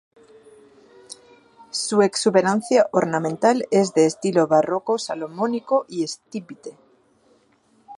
Su exuberancia ornamental es de estilo barroco salomónico y estípite.